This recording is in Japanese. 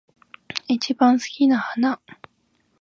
一番好きな花